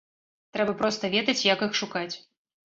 Трэба проста ведаць, як іх шукаць.